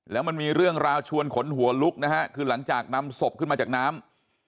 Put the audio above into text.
แล้วมันมีเรื่องราวชวนขนหัวลุกนะฮะคือหลังจากนำศพขึ้นมาจากน้ำ